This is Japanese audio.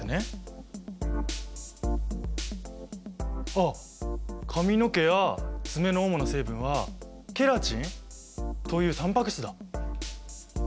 あっ髪の毛や爪の主な成分はケラチンというタンパク質だ。